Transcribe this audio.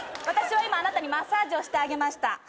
私は今あなたにマッサージをしてあげました。